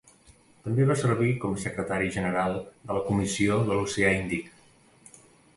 També va servir com a secretari general de la Comissió de l'Oceà Índic.